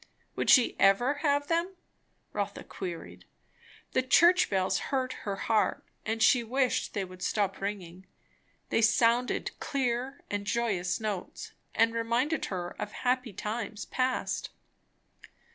Would she ever have them? Rotha queried. The church bells hurt her heart; she wished they would stop ringing; they sounded clear and joyous notes, and reminded her of happy times past.